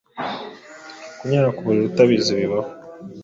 kunyara kuburiri utabizi bibaho